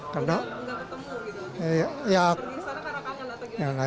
karena gak ketemu gitu pergi sana karena kangen lah